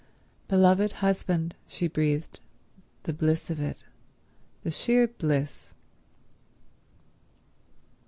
"Beloved husband," she breathed—the bliss of it—the sheer bliss